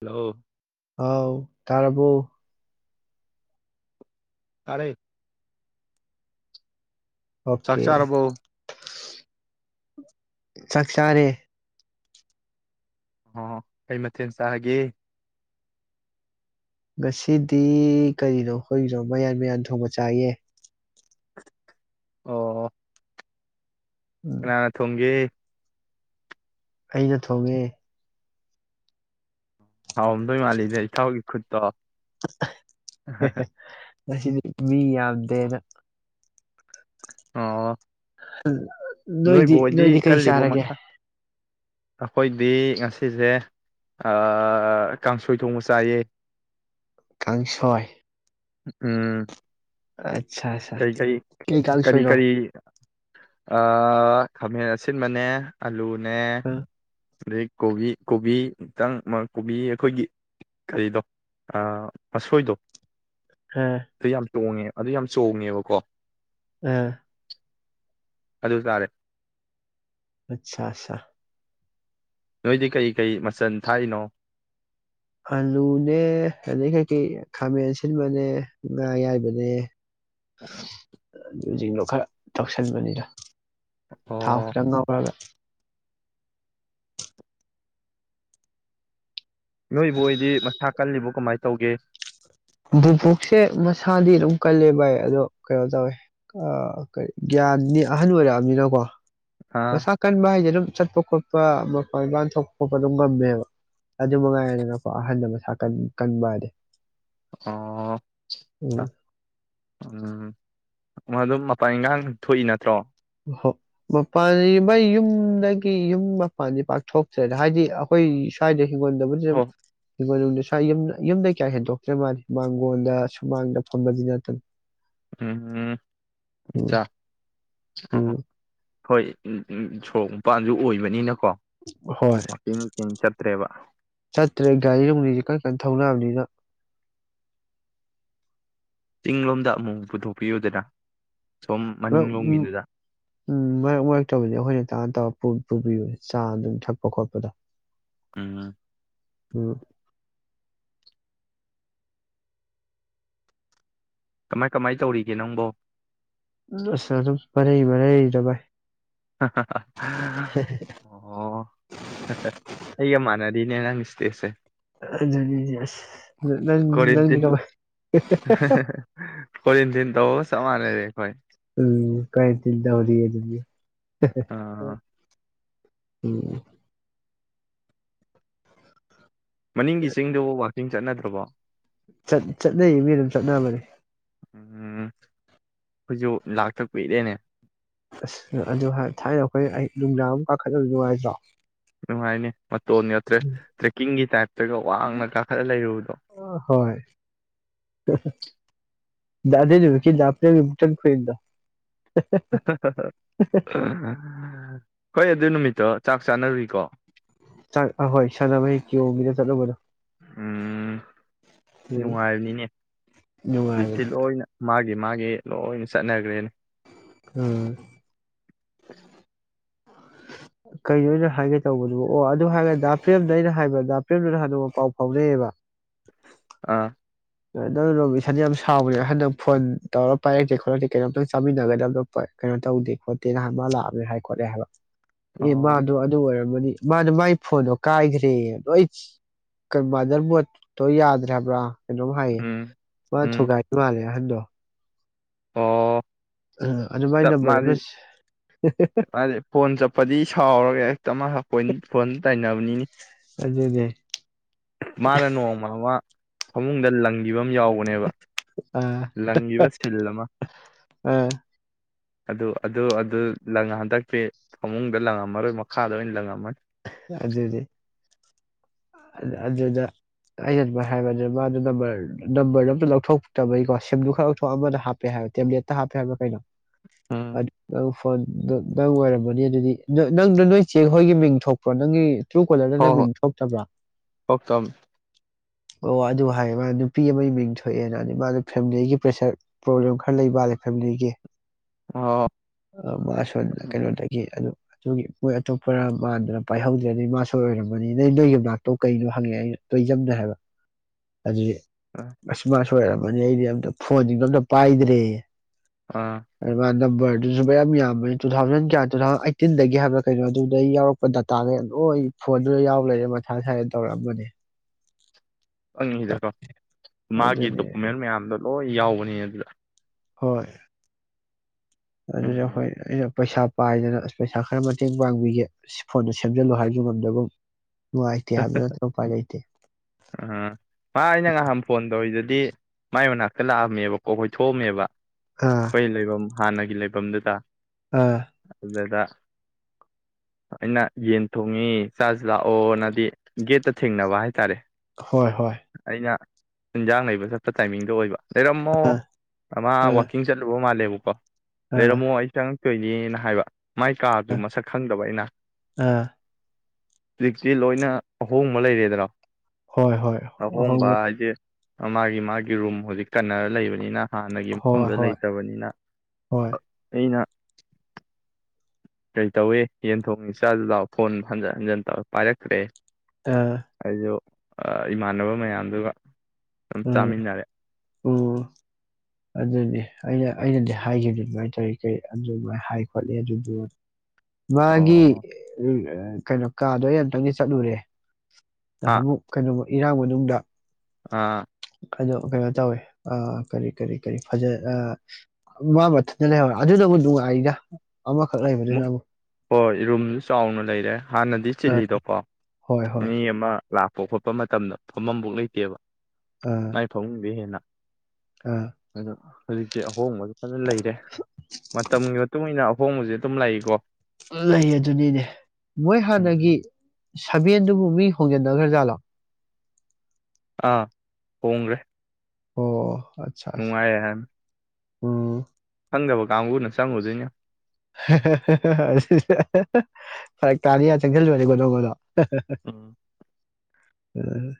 Hello ꯑꯥꯎ ꯇꯔꯕꯣ ꯇꯔꯦ ꯆꯥꯛꯆꯥꯥꯔꯔꯕꯣ ꯆꯥꯛꯆꯥꯔꯦ ꯑꯣ ꯀꯩ ꯃꯊꯦꯜ ꯆꯥꯔꯒꯦ ꯉꯁꯤꯗꯤ ꯀꯩꯅꯣ ꯑꯩꯈꯣꯏꯒꯤꯔꯣ ꯃꯌꯥꯟ ꯃꯌꯥꯟ ꯊꯣꯡꯕ ꯆꯥꯏꯌꯦ ꯑꯣ ꯎꯝ ꯀꯥꯟꯅꯅ ꯊꯣꯡꯒꯦ ꯑꯩꯩꯅ ꯊꯣꯡꯉꯦ ꯍꯥꯎꯔꯝꯗꯣꯏ ꯃꯥꯜꯂꯤꯗꯥ ꯏ ꯊꯥꯎꯒꯤ ꯈꯨꯠꯇꯣ [unintelligible] ꯑꯁꯤꯗꯤ ꯃꯤ ꯌꯥꯝꯗꯦꯅ ꯑꯣ ꯎꯝ ꯅꯣꯏꯕꯨ ꯅꯣꯏꯗꯤ ꯍꯣꯏꯗꯤ ꯅꯣꯏꯗꯤ ꯀꯩ ꯀꯜꯂꯤꯕꯣ ꯆꯥꯔꯒꯦ ꯃꯁꯥ ꯑꯩꯈꯣꯏꯗꯤ ꯉꯁꯤꯁꯦ ꯀꯥꯡꯁꯣꯏ ꯊꯣꯡꯕ ꯆꯥꯏꯌꯦ ꯀꯥꯡꯁꯣꯏ ꯎꯝ ꯑ ꯀꯔꯤ ꯀꯔꯤ ꯀꯔꯤ ꯀꯔꯤ ꯈꯥꯃꯦꯟ ꯑꯁꯤꯟꯕꯅꯦ ꯑꯂꯨ ꯅꯦ ꯑ ꯑꯗꯩ ꯀꯣꯕꯤ ꯀꯣꯕꯤ ꯛꯇꯪ ꯀꯣꯕꯤ ꯑꯩꯈꯣꯏꯒꯤ ꯀꯔꯤꯗꯣ ꯃꯁꯣꯏꯗꯣ ꯍꯥꯥ ꯑꯗꯨ ꯌꯥꯝ ꯇꯣꯡꯉꯦ ꯑꯗꯨ ꯌꯥꯝ ꯆꯣꯡꯉꯦꯕꯀꯣ ꯑ ꯑꯗꯨ ꯇꯥꯔꯦ ꯑꯆꯥ ꯑꯆꯥ ꯅꯣꯏꯗꯤ ꯀꯔꯤ ꯀꯔꯤ ꯃꯆꯜ ꯊꯥꯔꯤꯅꯣ ꯑꯜꯂꯨꯅꯦ ꯑꯗꯩ ꯀꯩꯀꯩ ꯈꯥꯃꯦꯟ ꯁꯤꯟꯕꯅꯦ ꯉꯥ ꯌꯥꯏꯕꯅꯦ [unintelligible] ꯑꯗꯨꯖꯤꯗꯣ ꯈꯔ ꯇꯧꯁꯟꯕꯅꯤꯅ ꯊꯥꯎ ꯑꯣ ꯈꯈꯤꯇꯒꯥꯔꯒ ꯅꯣꯏꯕꯨ ꯑꯣꯏꯗꯤ ꯃꯁꯥ ꯀꯜꯂꯤꯕ ꯀꯃꯥꯏꯅ ꯇꯧꯒꯦ ꯕꯨꯕꯨꯣꯛꯁꯦ ꯃꯁꯥꯗꯤ ꯑꯗꯨꯝ ꯀꯜꯂꯦ ꯚꯥꯏ ꯑꯗꯣ ꯀꯩꯅꯣ ꯇꯧꯋꯦ ꯒ꯭ꯌꯥꯟꯅꯤ ꯑꯍꯟ ꯑꯣꯏꯔꯛꯑꯅꯤꯅꯀꯣ ꯑꯥ ꯃꯁꯥ ꯀꯟꯕ ꯍꯥꯏꯁꯦ ꯑꯗꯨꯝ ꯆꯠꯄ ꯈꯣꯠꯄ ꯃꯄꯥꯟ ꯏꯄꯥꯟ ꯊꯣꯛꯄ ꯈꯣꯠꯄ ꯑꯗꯨꯝ ꯉꯝꯃꯦꯕ ꯑꯗꯨ ꯃꯉꯥꯏꯗꯅꯀꯣ ꯑꯍꯟꯗ ꯃꯁꯥ ꯀ ꯀꯟꯕ ꯍꯥꯏꯗꯤꯦ ꯑꯣ ꯎꯝ ꯑꯗꯨꯝ ꯃꯄꯥꯟ ꯏꯟꯈꯥꯡ ꯊꯣꯛꯏ ꯅꯠꯇ꯭ꯔꯣ ꯑꯣ ꯃꯄꯥꯟ ꯃꯣꯏ ꯌꯨꯝꯗꯒꯤ ꯌꯨꯝ ꯃꯄꯥꯟꯗꯤ ꯄꯥꯛꯊꯣꯛꯆ꯭ꯔꯗ ꯍꯥꯏꯗꯤ ꯑꯩꯈꯣꯏ ꯁ꯭ꯋꯥꯏꯗ ꯀꯗꯕꯦ ꯍꯣ ꯏꯃꯨꯡ ꯃꯅꯨꯡ ꯁ꯭ꯋꯥꯏ ꯌꯨꯝ ꯌꯨꯝꯗ ꯀꯌꯥ ꯍꯦꯟꯗꯣꯛꯇ꯭ꯔꯦ ꯃꯥꯜꯂꯤ ꯃꯥꯡꯒꯣꯟꯜꯗ ꯁꯨꯃꯥꯡꯗ ꯐꯝꯕꯗꯤ ꯅꯠꯇꯅ ꯎꯝꯝ ꯏꯆꯥꯥ ꯎ ꯍꯣꯏ ꯎꯝ ꯁꯣꯔꯣꯛ ꯃꯄꯥꯟꯁꯨ ꯑꯣꯏꯕꯅꯤꯅ ꯍꯣꯏ ꯆꯠꯇ꯭ꯔꯦꯕ ꯁꯠꯇ꯭ꯔꯦ ꯔꯤꯔ ꯀ ꯀ ꯊꯧꯅꯥꯅꯤꯅ ꯆꯤꯡꯂꯣꯝꯗ ꯑꯃꯨꯛ ꯄꯨꯊꯣꯛꯄꯤꯌꯨꯗꯅ ꯁꯣꯝ ꯃꯔ ꯎ ꯃꯅꯤꯡꯂꯣꯝꯒꯤꯗꯨꯗ ꯎꯝ ꯃꯔꯛ ꯃꯔꯛꯇꯕꯗꯤ ꯑꯩꯈꯣꯏꯅ ꯇꯥ ꯇꯧꯔꯄ ꯄꯨꯕꯤꯌꯨ ꯆꯥ ꯑꯗꯨꯝ ꯊꯛꯄ ꯈꯣꯠꯄꯗ ꯎꯝ ꯎꯝ ꯀꯃꯥꯏ ꯀꯃꯥꯏ ꯇꯧꯔꯤꯒꯦ ꯅꯪꯕꯣ ꯎ ꯑꯁ ꯑꯗꯨꯝ ꯃꯔꯩ ꯃꯔꯩꯗ ꯚꯥꯏ ꯑꯣ ꯑꯩꯒ ꯃꯥꯟꯅꯗꯤꯅꯦ ꯅꯪ ꯏ ꯏꯁꯇꯦꯁꯦ ꯖꯅꯤ ꯀ ꯀꯣꯟ ꯊꯤꯟ ꯇ ꯁꯃꯅꯔꯦ ꯍꯣꯏ ꯎꯝ ꯀꯥꯏꯇ ꯇ ꯍꯧꯔꯤꯗꯤ ꯎ ꯑꯥ ꯑꯣꯝ ꯃꯅꯤꯡꯒꯤ ꯆꯁꯤꯡꯗ ꯋꯥ ꯏꯤꯡ ꯆꯠꯅꯗ꯭ꯔꯕꯣ ꯆꯠꯅꯩꯌꯦ ꯃꯤ ꯑꯗꯨꯝ ꯆꯠꯅꯕꯅꯦ ꯎꯝ ꯍꯧꯣꯏꯁꯨ ꯂꯥꯛꯊꯛꯄꯤ ꯏꯔꯦꯅꯦ ꯑꯁ ꯑꯗꯨ ꯊꯥꯏꯅ ꯑꯩꯈꯣꯏ ꯑꯩ ꯅꯨꯡꯗꯥꯡ ꯑꯃ ꯀꯥꯈꯠꯅꯕ ꯅꯨꯡꯉꯥꯏꯇ꯭ꯔꯣ ꯅꯨꯡꯉꯥꯏꯅꯦ ꯃꯇꯣꯟ ꯅꯠꯇ꯭ꯔꯦ ꯇ꯭ꯔꯦꯛꯀꯤꯡꯒꯤ ꯇꯥꯏꯞꯇꯒ ꯋꯥꯡꯅ ꯀꯥꯈꯠꯂ ꯂꯩꯔꯨꯕꯗꯣ ꯍꯣꯏ ꯗꯗꯦ ꯖꯨꯀꯤꯗꯞꯅꯦꯃꯨꯇꯟ ꯈꯣꯏꯔꯤꯗꯥ [unintelligible] ꯍꯣꯏ ꯑꯗꯨ ꯅꯨꯃꯤꯠꯇꯣ ꯆꯥꯛ ꯆꯥꯅꯔꯨꯔꯤꯀꯣ ꯆ ꯍꯣꯏ ꯁꯗꯥꯚꯍꯤ ꯀ ꯑꯣꯕꯤꯗ ꯆꯗꯣꯕꯣ ꯎꯝ ꯎꯝ ꯅꯨꯡꯉꯥꯏꯕꯅꯤꯅꯦ ꯅꯨꯡꯉꯥꯏꯕꯅꯦ ꯍꯧꯖꯤꯛꯇꯤ ꯂꯣꯏꯅ ꯃꯥꯒꯤ ꯗꯤ ꯃꯥꯒꯤ ꯂꯣꯏ ꯆꯠꯅꯈ꯭ꯔꯦꯅꯦ ꯎꯝ [unintelligible] ꯀꯩꯅꯣ ꯑꯣꯏꯅ ꯍꯥꯏꯒꯦ ꯇꯧꯕꯗꯨꯕꯨ ꯑꯣ ꯑꯗꯨ ꯍꯥꯏꯔꯒꯗꯤ ꯐ꯭ꯔꯦꯝꯗ ꯑꯩꯅ ꯍꯥꯏꯕꯗ ꯐ꯭ꯔꯦꯝꯗꯨꯅ ꯍꯗꯣꯛ ꯄꯥꯎ ꯐꯥꯎꯅꯩꯌꯦꯕ ꯑꯥ ꯔꯣ ꯏꯁꯥꯅ ꯌꯥꯝ ꯁꯥꯎꯕꯅꯦ ꯍꯟꯗꯛ ꯐꯣꯟ ꯇꯧꯔ ꯄꯥꯏꯔꯛꯇꯦ ꯈꯣꯠꯂꯛꯇꯦ ꯀꯩꯅꯣꯝꯇꯪ ꯆꯥꯃꯤꯟꯅꯒꯗꯕꯣ ꯀꯩꯅꯣ ꯇꯧꯗꯦ ꯈꯣꯠꯇꯦ ꯅꯍꯥꯟ ꯃꯥ ꯂꯥꯛꯑꯕꯅꯤ ꯍꯥꯏ ꯈꯣꯠꯂꯦ ꯍꯥꯏꯕ ꯑꯦ ꯃꯥꯕꯥ ꯑꯣ ꯑꯗꯨ ꯑꯗꯨ ꯑꯣꯏꯔꯕ ꯃꯥꯅ ꯃꯥꯒꯤ ꯐꯣꯟꯗꯣ ꯀꯥꯏꯈ꯭ꯔꯦ ꯅꯣꯏ ꯃꯥꯗꯔ ꯃꯣꯠꯇꯣ ꯌꯥꯗ꯭ꯔꯕ꯭ꯔꯥ ꯀꯩꯅꯣꯝ ꯍꯥꯏꯌꯦ ꯎꯝ ꯃꯥ ꯊꯨꯒꯥꯏꯗ ꯃꯥꯜꯂꯦ ꯑꯍꯟꯗꯣ ꯍ ꯑ ꯑꯗꯨ ꯃꯥꯏ ꯆꯞ ꯅꯝꯕꯔ ꯑꯃ ꯃꯥꯥꯟꯜꯂꯤ ꯆꯞ ꯃꯥ ꯐꯣꯟ ꯆꯠꯄꯗꯤ ꯁꯥꯎꯔꯒꯦ ꯆꯞꯅꯄꯣꯏ ꯐꯣꯟ ꯇꯥꯏꯅꯕꯅꯤꯅꯤ ꯑꯗꯨꯅ‌ꯦ ꯃꯥꯅ ꯅ‌ꯦꯡꯃ ꯑꯃ ꯐꯃꯨꯡꯗ ꯂꯪꯈꯤꯕ ꯌꯥꯎꯕꯅ‌ꯦꯕ ꯑꯥ ꯂꯪꯈꯤꯕ ꯁꯤꯜ ꯑꯃ ꯑꯥ ꯑꯗꯨ ꯑꯗꯨ ꯑꯗꯨ ꯂꯪ ꯍꯟꯗꯛꯇꯤ ꯐꯃꯨꯡꯗ ꯂꯪꯉꯝꯃꯔꯣꯏ ꯃꯈꯥꯗ ꯑꯣꯏꯅ ꯂꯪꯉꯝꯃꯅꯤ ꯑꯗꯨꯗꯤ ꯑꯗꯨꯗ ꯑꯩꯅ ꯑꯗꯨ ꯍꯥꯏꯕꯗꯨ ꯃꯥꯗꯣ ꯅꯝꯕꯔ ꯅꯝꯕꯔꯗꯣ ꯑꯝꯇ ꯂꯧꯊꯣꯛꯇꯕꯒꯤꯀꯣ ꯁꯦꯝꯗ ꯈꯔ ꯂꯧꯊꯣꯛ ꯑꯃꯗ ꯍꯥꯞꯄꯦ ꯍꯥꯏꯕ ꯇꯦꯕ꯭ꯂꯦꯠꯇ ꯍꯥꯞꯄꯦ ꯍꯥꯏꯕ꯭ꯔꯥ ꯀꯩꯅꯣ ꯎꯝ ꯅꯪ ꯐꯣꯟꯗ ꯅꯪ ꯑꯣꯏꯔꯝꯃꯅꯤ ꯑꯗꯨꯗꯤ ꯅꯪꯗ ꯅꯣꯏ ꯆꯦ ꯍꯣꯏꯒꯤ ꯃꯤꯡ ꯊꯣꯛꯄ꯭ꯔꯣ ꯅꯪꯒꯤ ꯍꯣꯏ ꯇꯔꯨꯀꯣꯂꯔꯗꯅ ꯍꯣꯏ ꯃꯤꯡ ꯊ‌ꯣꯛꯇꯕ꯭ꯔꯥ ꯄꯣꯛꯇꯝ ꯑꯣ ꯑꯗꯨ ꯍꯥꯏꯌꯦ ꯃꯥ ꯅꯨꯄꯤ ꯑꯃꯒꯤ ꯃꯤꯡ ꯊꯣꯛꯑꯦꯅ ꯃꯥ ꯐꯦꯃꯤꯂꯤꯒꯤ ꯄ꯭ꯔꯦꯁꯔ ꯄ꯭ꯔꯣꯕ꯭ꯂꯦꯝ ꯈꯔ ꯂꯩꯕ ꯃꯥꯜꯂꯦ ꯐꯦꯃꯤꯂꯤꯒꯤ ꯑꯣ ꯑ ꯃꯥꯁꯣꯟ ꯀꯩꯅꯣꯗꯒꯤ ꯑꯗꯨ ꯑꯗꯨꯒꯤ ꯃ‌ꯣꯏ ꯑꯇꯣꯞꯄ ꯃꯥꯟꯗꯅ ꯄꯥꯏꯍꯧꯗ꯭ꯔꯦ ꯃꯥꯁ‌ꯣꯏ ꯑꯣꯏꯔꯝꯃꯅꯤ ꯅꯣꯏ ꯅꯣꯏꯒꯤ ꯌꯨꯝꯅꯥꯛꯇꯣ ꯀꯩꯅꯣ ꯍꯪꯉꯛꯑꯦ ꯇ‌ꯣꯏꯖꯝ ꯅ‌ꯦ ꯍꯥꯏꯕ ꯑꯗꯨ ꯑꯁ ꯃꯥꯁꯨ ꯁꯣꯏ ꯑꯣꯏꯔꯝꯃꯅꯤ ꯑꯩꯗꯤ ꯑꯝꯇ ꯐꯣꯟꯁꯤꯡꯗꯣ ꯑꯝꯇ ꯄꯥꯏꯗ꯭ꯔꯦ ꯑꯥ ꯑꯗꯨ ꯃꯥꯅ ꯅꯝꯕꯔꯗꯨꯁꯨ ꯃꯌꯥꯝ ꯌꯥꯝꯕꯅꯤꯅ ꯇꯨ ꯊꯥꯎꯖꯟ ꯀꯌꯥ ꯇꯨ ꯊꯥꯎꯖꯟ ꯑꯥꯏꯇꯤꯟꯗꯒꯤ ꯍꯥꯏꯕ꯭ꯔ ꯀꯩꯅꯣ ꯑꯗꯨꯗꯒꯤ ꯌꯥꯎꯔ ꯔꯛꯄ ꯗꯥꯇꯥꯈꯩ ꯂꯣꯏ ꯐꯣꯟꯗꯨꯗ ꯌꯥꯎ ꯂꯩꯔꯦ ꯃꯊꯥ ꯁꯥꯏꯌ‌ꯦꯅ ꯇꯧꯔꯛꯑꯝꯕꯅꯦ ꯑꯩꯅ ꯁꯤꯗꯀꯣ ꯃꯥꯒꯤ ꯑꯗꯨꯅꯤ ꯗꯣꯀꯨꯃꯦꯟ ꯃꯌꯥꯝꯗꯣ ꯂꯣꯏ ꯌꯥꯎꯕꯅꯤ ꯑꯗꯨꯗ ꯍꯣꯏ ꯑꯗꯨꯗ ꯎꯝ ꯍꯣꯏ ꯑꯩꯅ ꯄꯩꯁꯥ ꯄꯥꯏꯗꯅ ꯑꯁ ꯄꯩꯁꯥ ꯈꯔ ꯃꯇꯦꯡ ꯄꯥꯡꯕꯤꯒꯦ ꯐꯣꯟꯗꯣ ꯁꯦꯝꯖꯤꯜꯂꯨ ꯍꯥꯏꯕꯁꯨ ꯉꯝꯗꯒꯨꯝ ꯅꯨꯡꯉꯥꯏꯇꯦ ꯍꯥꯏꯕ ꯅꯠꯇꯅ ꯎꯄꯥꯏ ꯂꯩꯇꯦ ꯎꯝ ꯃꯥ ꯑꯩꯅ ꯉꯍꯥꯟ ꯐꯣꯟ ꯇꯧꯔꯤꯗꯨꯗꯤ ꯃꯥꯏ ꯃꯅꯥꯛꯇ ꯂꯥꯛꯑꯝꯃꯦꯕꯀꯣ ꯑꯩꯈꯣꯏ ꯊꯣꯛꯑꯝꯃꯦꯕ ꯑꯥ ꯄꯩ ꯂꯩꯕ ꯍꯥꯟꯅꯒꯤ ꯂꯩꯐꯝꯗꯨꯇ ꯑꯥ ꯑꯗꯨꯗ ꯑꯩꯅ ꯌꯦꯟ ꯊꯣꯡꯉꯤ ꯆꯥꯁꯤ ꯂꯥꯛꯑꯣꯅ ꯒꯦꯠꯇ ꯊꯦꯡꯅꯕ ꯍꯥꯏꯇꯥꯔꯦ ꯍꯣꯏ ꯍꯣꯏ ꯏꯟꯖꯥꯡ ꯂꯩꯕ ꯆꯠꯄ ꯇꯥꯏꯃꯤꯡꯗꯣ ꯑꯣꯏꯕ ꯂꯩꯔꯝꯃꯣ ꯑꯥ ꯃꯥ ꯑꯥ ꯋꯥꯛꯀꯤꯡ ꯆꯠꯂꯨꯕ ꯃꯥꯜꯂꯦꯕ ꯀ‌ꯣ ꯑꯥ ꯂꯩꯔꯝꯃ‌ꯣ ꯑꯩ ꯆꯪ ꯀꯩꯒꯤꯅ ꯍꯥꯏꯕ ꯃꯥꯏ ꯀꯥꯗꯨ ꯃꯁꯛ ꯈꯪꯗꯕ ꯑꯩꯅ ꯑꯥ ꯍꯧꯖꯤꯛꯇꯤ ꯂꯣꯏꯅ ꯑꯍꯣꯡꯕ ꯂꯩꯔꯦꯗꯅ ꯍꯣꯏ ꯍꯣꯏ ꯑꯍꯣꯡꯕ ꯍꯥꯏꯁꯦ ꯃꯥꯒꯤ ꯃꯥꯒꯤ ꯔꯨꯝ ꯍꯧꯖꯤꯛ ꯀꯟꯅꯔ ꯂꯩꯕꯅꯤꯅ ꯍꯥꯟꯅꯒꯤ ꯍꯣꯏ ꯃꯐꯝꯗ ꯍꯣꯏ ꯂꯩꯇꯕꯅꯤꯅ ꯍꯣꯏ ꯑꯩꯅ ꯀꯩ ꯇꯧꯏꯤ ꯌꯦꯟ ꯊꯣꯡ ꯏꯆꯥꯗꯨ ꯂꯥꯛ ꯐꯣꯟ ꯍꯟꯖꯤꯟ ꯍꯟꯖꯤꯟ ꯇꯧꯔ ꯄꯥꯏꯔꯛꯈ꯭ꯔꯦ ꯑ ꯏꯃꯥꯟꯅꯕ ꯃꯌꯥꯝꯗꯨꯒ ꯑꯗꯨꯝ ꯎꯝ ꯆꯥꯃꯤꯟꯅꯔꯦ ꯎꯝ ꯑꯗꯨꯅꯤ ꯑꯩꯅ ꯑꯩꯅꯗꯤ ꯍꯥꯏꯈꯤꯕꯗꯨ ꯑꯗꯨꯃꯥꯏꯅ ꯇꯧꯔꯤ ꯀꯩ ꯑꯗꯨꯃꯥꯏꯅ ꯍꯥꯏ ꯈꯣꯠꯂꯤ ꯑꯗꯨꯗꯨ ꯃꯥꯒꯤ ꯑꯣ ꯎ ꯀꯩꯅꯣ ꯀꯥꯗꯣ ꯑꯩ ꯑꯛꯇꯪꯗꯤ ꯆꯠꯂꯨꯔꯦ ꯑꯥ ꯍꯛ ꯀꯩꯅꯩꯅꯣ ꯏꯔꯥꯡ ꯃꯅꯨꯡꯗ ꯑꯥ ꯑꯣ ꯀꯩꯅꯣ ꯇꯧꯋꯤ ꯑ ꯀꯔꯤ ꯀꯔꯤ ꯀꯔꯤ ꯐꯖ ꯑ ꯃꯊꯗ ꯂꯩꯍꯧꯔꯦ ꯑꯗꯨꯗꯕꯨ ꯅꯨꯡꯉꯥꯏꯗ ꯑꯃꯈꯛ ꯂꯩꯕꯗꯨꯅꯕꯨ ꯍꯣꯏ ꯔꯨꯝꯁꯨ ꯆꯥꯎꯅ ꯂꯩꯔꯦ ꯍꯥꯟꯅꯗꯤ ꯆꯤꯜꯂꯤꯗꯣꯀꯣ ꯍꯣꯏ ꯍꯣꯏ ꯃꯤ ꯑꯃ ꯂꯥꯛ ꯄꯣꯛ ꯈꯣꯠꯄ ꯃꯇꯝꯗ ꯐꯃꯝꯐꯥꯎ ꯂꯩꯇꯦꯕ ꯑꯥ ꯃꯥꯏ ꯐꯥꯃꯨꯡꯗꯩ ꯍꯦꯟꯅ ꯑꯥ ꯑ ꯍꯧꯖꯤꯛꯇꯤ ꯑꯍꯣꯡꯕꯁꯨ ꯐꯖ ꯂꯩꯔꯦ ꯃꯇꯝꯒꯤ ꯃꯇꯨꯡ ꯏꯟꯅ ꯍꯣꯡꯕꯁꯦ ꯇꯨꯝ ꯂꯥꯛꯏꯀꯣ ꯂꯩ ꯑꯗꯨꯅꯤꯅꯦ ꯃꯣꯏ ꯍꯥꯟꯅꯒꯤ ꯎꯝ ꯁꯕꯦꯟꯗꯨꯕꯨ ꯃꯤ ꯍꯣꯡꯖꯤꯟꯅ ꯈ꯭ꯔꯖꯥꯠꯂꯣ ꯑꯥ ꯍꯣꯡ꯭ꯈꯔꯦ ꯑꯣ ꯑꯠꯆꯥ ꯑꯠꯆꯥ ꯅꯨꯡꯉꯥꯏ ꯍꯥꯏ ꯎꯝ ꯆꯪꯗꯕ ꯀꯥꯡꯕꯨꯅ ꯆꯪꯉꯨꯗꯣꯏꯅꯤ ꯐꯔꯛ ꯇꯥꯅꯤ ꯆꯪꯁꯤꯜꯂꯨꯔꯅꯤ ꯒꫭꯗꫭꯡ ꯒꫭꯗꯣꯡ ꯎꯝ [unintelligible] ꯎꯝ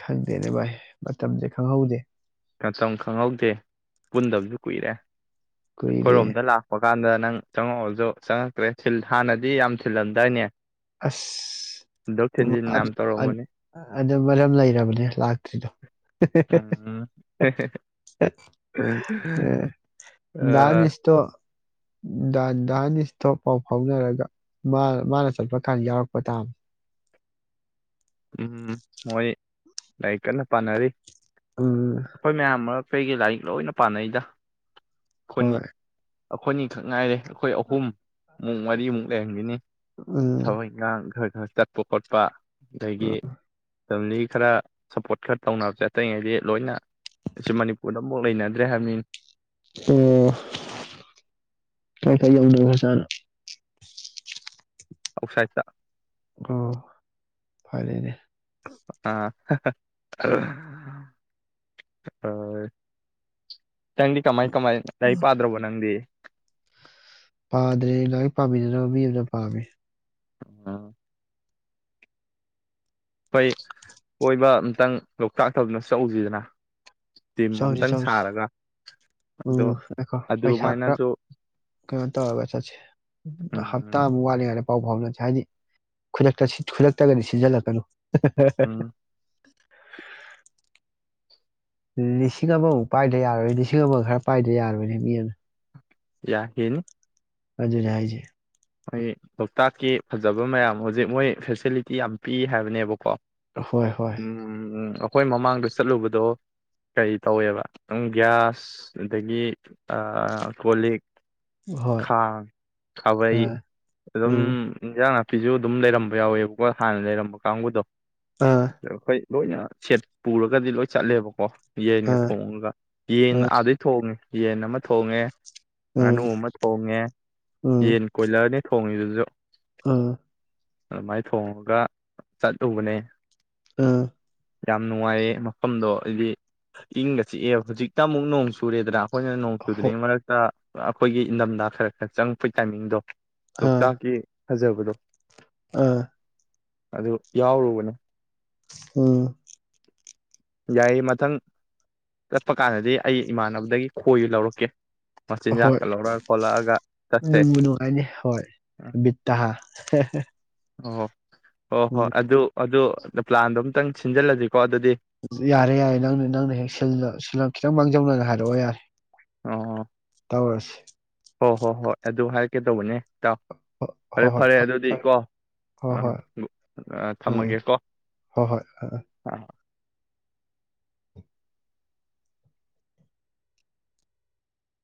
ꯈꯪꯗꯦꯅꯦ ꯚꯥꯏ ꯃꯇꯝꯁꯦ ꯈꯪꯍꯧꯗꯦ ꯃꯇꯝ ꯈꯪꯍꯧꯗꯦ ꯄꯨꯟꯗꯕꯁꯨ ꯀꯨꯏꯔꯦ ꯀꯨꯏꯔꯦ ꯑꯩꯈꯣꯏꯔꯣꯝꯗ ꯂꯥꯛꯄ ꯆ ꯀꯥꯟꯗ ꯅꯪ ꯆꯪꯉꯛꯑꯣꯁꯨ ꯆꯪꯉꯛꯇ꯭ꯔꯦꯜ ꯍꯥꯟꯅꯗꯤ ꯌꯥꯝ ꯊꯤꯜꯂꯝꯗꯥꯏꯅꯦ ꯑꯁ ꯊꯤꯟꯗꯣꯛ ꯎ ꯊꯤꯟꯖꯤꯟ ꯌꯥꯝ ꯑꯗꯨ ꯑꯗꯨ ꯇꯧꯔꯝꯕꯅꯤ ꯑꯗꯨ ꯃꯔꯝ ꯂꯩꯔꯕꯅꯦ ꯂꯥꯛꯇ꯭ꯔꯤꯗꯣ ꯎꯝ ꯗꯥ ꯑꯥ ꯅꯤꯁꯇꫭ ꯗꯥ ꯍꯅꯤꯁꯇꯣ ꯄꯥꯎ ꯐꯥꯎꯅꯔꯒ ꯃꯥ ꯃꯥꯅ ꯆꯠꯄ ꯀꯜ ꯌꯥꯎꯔꯛꯄ ꯇꯥꯕ ꯎꯝ ꯃꯣꯏ ꯂꯥꯏꯔꯤꯛ ꯀꯟꯅ ꯄꯥꯅꯔꯤ ꯎꯝ ꯑꯩꯈꯣꯏ ꯃꯌꯥꯝ ꯃꯔꯛ ꯑꯇꯩꯗꯤ ꯂꯥꯏꯔꯤꯛ ꯂꯣꯏꯅ ꯄꯥꯅꯩꯗ ꯈꯨꯟ ꯍꯣꯏ ꯑꯩꯈꯣꯏꯅꯤꯈꯛ ꯉꯥꯏꯔꯦ ꯑꯩꯈꯣꯏ ꯑꯍꯨꯝ ꯃꯨꯛ ꯃꯔꯤꯃꯨꯛ ꯂꯩꯔꯝꯒꯅꯤ ꯎꯝ ꯊꯕꯛ ꯏꯈꯥꯡ ꯈꯔ ꯆꯠꯄ ꯈꯣꯠꯄ ꯑꯗꯒꯤ ꯐꯦꯃꯤꯂꯤ ꯈꯔ ꯁꯞꯄꯣꯔꯠ ꯈꯔ ꯇꯧꯅꯕꯦ ꯑꯇꯩꯉꯩꯗꯤ ꯂꯣꯏꯅ ꯑꯁꯤ ꯃꯅꯤꯄꯨꯔꯗ ꯑꯝꯕꯧ ꯂꯩꯅꯗ꯭ꯔꯦ ꯍꯥꯏꯕꯅꯤ ꯑꯣ ꯀꯥꯏꯀꯥꯏ ꯌꯧꯅꯒꯔ ꯖꯥꯠꯅꯣ ꯑꯥꯎꯠꯁꯥꯏꯠꯇ ꯑꯣ ꯐꯔꯦꯅꯦ ꯑ ꯅꯪꯗꯤ ꯀꯃꯥꯏ ꯀꯃꯥꯏꯅ ꯂꯥꯏꯔꯤꯛ ꯎꯝ. ꯄꯥꯗ꯭ꯔꯕꯣ ꯅꯪꯗꯤ ꯄꯥꯗ꯭ꯔꯦ ꯂꯥꯏꯔꯤꯛ ꯄꯥꯕꯤꯅꯅꯕ ꯃꯤ ꯑꯃꯗꯤ ꯄꯥꯝꯃꯦ ꯑꯥ ꯑꯩꯈꯣꯏ ꯀꯣꯏꯕ ꯑꯝꯇꯪ ꯂꯣꯛꯇꯥꯛꯇ ꯑꯝꯇ ꯆꯠꯂꯨꯁꯤꯗꯅ ꯆꯪꯁꯤ ꯆꯪꯁꯤ ꯑꯗꯣ ꯎꯝ ꯉꯥꯏꯈꯣ ꯄꯩꯁꯥ ꯈꯔ ꯑꯗꯨꯃꯥꯏꯅꯁꯨ ꯀꯩꯅꯣ ꯇꯧꯔꯒ ꯆꯠꯁꯤ ꯎꯝ ꯍꯞꯇꯥꯃꯨꯛ ꯋꯥꯠꯂꯤꯗ ꯄꯥꯎ ꯐꯥꯎꯅꯁꯦ ꯍꯥꯏꯗꯤ ꯈꯨꯗꯛꯇ ꯈꯨꯗꯛꯇꯒꯗꯤ ꯁꯤꯟꯖꯜꯂꯛꯀꯅꯨ [inaudible] ꯎꯝ ꯂꯤꯁꯤꯡ ꯑꯃꯃꯨꯛ ꯄꯥꯏꯗ ꯌꯥꯔꯣꯏ ꯂꯤꯁꯤꯡ ꯑꯃ ꯈꯔ ꯄꯥꯏꯗ ꯌꯥꯔꯣꯏꯅꯦ ꯃꯤ ꯑꯃꯅ ꯌꯥ ꯍꯦꯟꯅꯤ ꯑꯗꯨꯅꯤ ꯍꯥꯏꯖꯦ ꯑꯩ ꯂꯣꯛꯇꯥꯛꯀꯤ ꯐꯖꯕ ꯃꯌꯥꯝ ꯍꯧꯖꯤꯛ ꯃꯣꯏ ꯐꯦꯁꯤꯂꯤꯇꯤ ꯌꯥꯝ ꯄꯤ ꯍꯥꯏꯕꯅꯦꯕꯀꯣ ꯍꯣꯏ ꯍꯣꯏ ꯎꯝ ꯎꯝ ꯎꯝ ꯑꯩꯈꯣꯏ ꯃꯃꯥꯡꯗ ꯆꯠꯂꯨꯕꯗꯣ ꯀꯔꯤ ꯇꯧꯋꯦꯕ ꯒ꯭ꯌꯥꯁ ꯑꯗꯒꯤ ꯀꯣ ꯂꯤꯛ ꯍꯣꯏ ꯈꯥꯡ ꯈꯥꯕꯩ ꯑꯥ ꯑꯗꯨꯝ ꯎꯝ ꯍꯤꯡꯖꯥꯡ ꯅꯥ ꯐꯤꯁꯨ ꯑꯗꯨꯝ ꯂꯩꯔꯝꯕ ꯌꯥꯎꯋꯦꯕꯀꯣ ꯍꯥꯟꯅ ꯂꯩꯔꯝꯕ ꯀꯥꯡꯕꯨꯗꯣ ꯑꯥ ꯍꯣꯏ ꯂꯣꯏꯅ ꯁꯦꯠ ꯄꯨꯔꯒꯗꯤ ꯂꯣꯏ ꯆꯠꯂꯦꯕꯀꯣ ꯌꯦꯟꯒ ꯑꯥ ꯊꯣꯡꯉꯒ ꯌꯦꯟ ꯑꯥ ꯑꯥꯗꯩ ꯊꯣꯡꯉꯦ ꯌꯦꯟ ꯑꯃ ꯊꯣꯡꯉꯦ ꯎꯝ ꯉꯥꯅꯨ ꯑꯃ ꯊꯣꯡꯉꯦ ꯌꯦꯟ ꯑꯗꯅꯤ ꯊꯣꯡꯉꯤꯗꯨꯖꯨ ꯑꯥ ꯑꯗꯨꯃꯥꯏꯅ ꯊꯣꯡꯉꯒ ꯆꯠꯂꯨꯕꯅꯦ ꯑꯥ ꯌꯥꯝ ꯅꯨꯡꯉꯥꯏꯌꯦꯦ ꯃꯐꯝꯗꯣ ꯍꯥꯏꯗꯤ ꯏꯪꯒ ꯆꯤꯛꯑꯦ ꯍꯧꯖꯤꯛꯇ ꯑꯃꯨꯛ ꯅꯣꯡ ꯆꯨꯔꯦꯗ꯭ꯔꯥ ꯍꯣꯏꯅ ꯍꯣ ꯅꯣꯡꯁꯨꯗꯅꯤ ꯃ ꯑꯩꯈꯣꯏꯒꯤ ꯏꯟꯊꯝꯊ ꯈꯔ ꯈꯔ ꯆꯪꯉꯛꯄꯩ ꯇꯥꯏꯃꯤꯡꯗꯣ ꯑꯥ ꯂꯣꯛꯇꯀꯤ ꯐꯖꯕꯗꯣ ꯑꯥ ꯑꯗꯨ ꯌꯥꯎꯔꯨꯕꯅꯦ ꯑꯝ ꯌꯥꯏꯌꯦ ꯃꯊꯪ ꯆꯠꯄ ꯀꯥꯟꯗꯗꯤ ꯑꯩ ꯏꯃꯥꯟꯅꯕꯗꯒꯤ ꯈꯣꯏ ꯂꯧꯔꯛꯀꯦ ꯍꯣꯏ ꯃꯆꯤꯟꯖꯥꯛꯀ ꯂꯧꯔꯛꯑ ꯈꯣꯠꯂꯛꯑꯒ ꯆꯠꯁꯦ ꯅꯣꯡꯕꯨ ꯅꯨꯡꯉꯥꯏꯅꯤ ꯍꯣꯏꯕꯤꯠꯠꯇꯍꯥ [unintelligible] ꯑꯣꯣ ꯑꯣ ꯍꯣ ꯑꯗꯨ ꯑꯗꯨ ꯄ꯭ꯂꯥꯟꯗꯣ ꯑꯝꯛꯇꯪ ꯁꯤꯟꯖꯜꯂꯁꯤꯀꯣ ꯑꯗꯨꯗꯤ ꯌꯥꯔꯦ ꯌꯥꯔꯦ ꯅꯪꯅ ꯅꯪꯅ ꯍꯦꯛ ꯈꯤꯇꯪ ꯃꯥꯡꯖꯧꯅꯅ ꯍꯥꯏꯔꯛꯑꯣ ꯌꯥꯔꯦ ꯑꯣ ꯌꯥꯔꯁꯤ ꯍꯣꯏ ꯍꯣ ꯍꯣꯏ ꯑꯗꯨ ꯍꯥꯏꯔꯛꯀꯦ ꯇꯧꯕꯅꯦ ꯏ ꯇꯥꯎ ꯐꯔꯦ ꯍꯣꯏ ꯍꯣꯏ ꯐꯔꯦ ꯐꯔꯦ ꯑꯗꯨꯗꯤꯀꯣ ꯍꯣꯏ ꯍꯣꯏ ꯑꯥ ꯎꯝ ꯊꯝꯃꯒꯦꯀꯣ ꯍꯣꯏ ꯍꯣꯏ ꯑꯥ